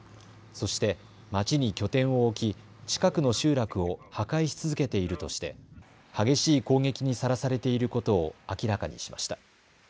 そして街に拠点を置き、近くの集落を破壊し続けているとして激しい攻撃にさらされていることを明らかにしました。